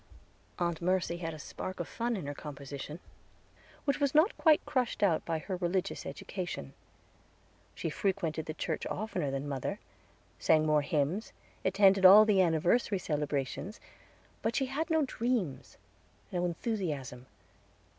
Aunt Mercy had a spark of fun in her composition, which was not quite crushed out by her religious education. She frequented the church oftener than mother, sang more hymns, attended all the anniversary celebrations, but she had no dreams, no enthusiasm.